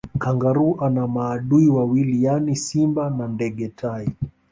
Kangaroo ana maadui wawili yaani simba na ndege tai